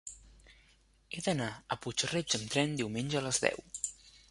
He d'anar a Puig-reig amb tren diumenge a les deu.